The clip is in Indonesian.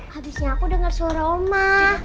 habisnya aku dengar suara oma